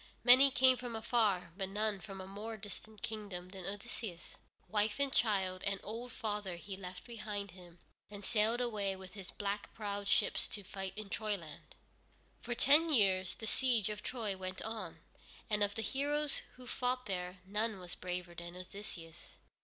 Many came from afar, but none from a more distant kingdom than Odysseus. Wife and child and old father he left behind him and sailed away with his black prowed ships to fight in Troyland. For ten years the siege of Troy went on, and of the heroes who fought there, none was braver than Odysseus.